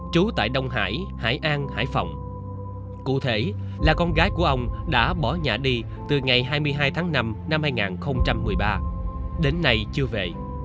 từ ngày hai mươi hai tháng năm năm hai nghìn một mươi ba đến nay chưa về